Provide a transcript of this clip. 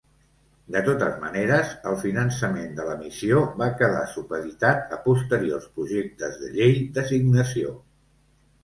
De totes maneres, el finançament de la missió va quedar supeditat a posteriors projectes de llei d'assignació.